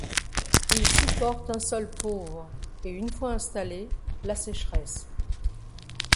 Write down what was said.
Il supporte un sol pauvre et une fois installé, la sècheresse.